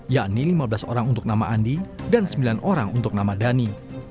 yakni lima belas orang untuk nama andi dan sembilan orang untuk nama dhani